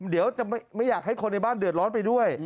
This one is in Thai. เดี๋ยวจะไม่อยากให้คนในบ้านเดือดร้อนไปด้วย